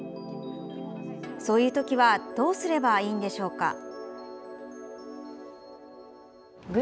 そういうときはどうすればいいのでしょうか。